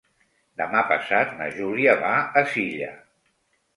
Demà passat na Júlia va a Silla.